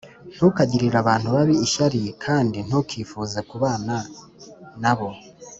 ntukagirire abantu babi ishyari, kandi ntukifuze kubana na bo,